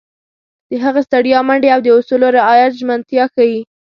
د هغه ستړیا، منډې او د اصولو رعایت ژمنتیا ښيي.